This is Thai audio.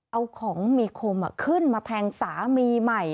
เอาของมีคมขึ้นมาแทงสามีใหม่